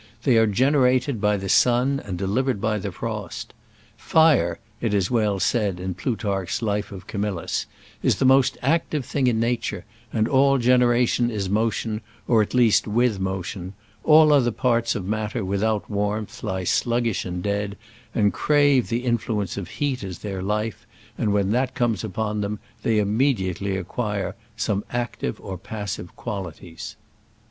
They are generated by the sun and delivered by the frost. "Fire," it is well said in Plutarch's life of Camil lus, is the most active thing in nature, and all generation is motion, or at least with motion : all other parts of matter without warmth lie sluggish and dead, and crave the influence of heat as their life, and when that comes upon them they immediately acquire some active or passive qualities."